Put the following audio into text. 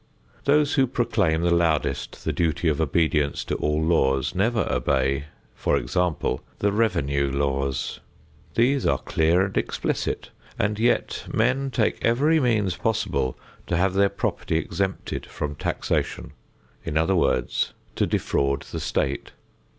Those who proclaim the loudest the duty of obedience to all laws never obey, for example, the revenue laws. These are clear and explicit, and yet men take every means possible to have their property exempted from taxation in other words, to defraud the State.